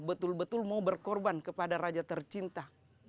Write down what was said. betul betul mau berkorban kepada raja tercinta